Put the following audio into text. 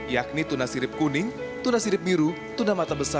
yakni tuna sirip kuning tuna sirip biru tuna manis